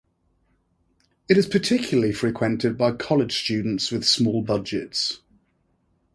It is particularly frequented by college students with small budgets.